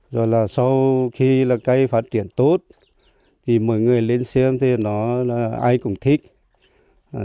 rồi là sau khi là cây phát triển tốt thì mọi người lên xem thì nó ai cũng thích